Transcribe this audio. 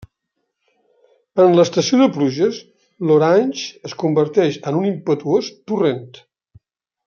En l'estació de pluges, l'Orange es converteix en un impetuós torrent.